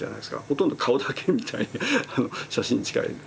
ほとんど顔だけみたいな写真に近い。